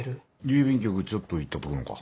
郵便局ちょっと行ったとこのか。